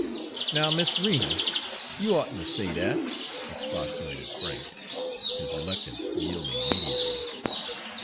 "Now, Miss Rena, you oughtn't ter say dat," expostulated Frank, his reluctance yielding immediately.